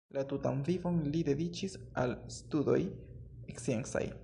La tutan vivon li dediĉis al studoj sciencaj.